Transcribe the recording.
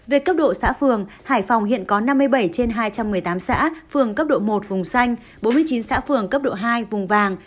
về cấp độ xã phường hải phòng hiện có năm mươi bảy trên hai trăm một mươi tám xã phường cấp độ một vùng xanh bốn mươi chín xã phường cấp độ hai vùng vàng